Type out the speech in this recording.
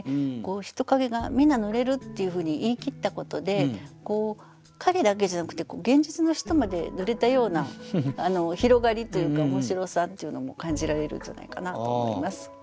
人影が「みな濡れる」っていうふうに言い切ったことで影だけじゃなくて現実の人まで濡れたような広がりというか面白さっていうのも感じられるんじゃないかなと思います。